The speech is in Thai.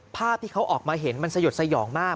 ภาพที่เขาออกมาเห็นมันสยดสยองมาก